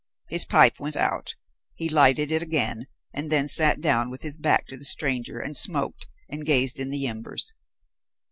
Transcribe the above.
His pipe went out. He lighted it again and then sat down with his back to the stranger and smoked and gazed in the embers.